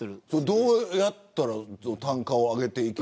どうやったら単価を上げていくことが。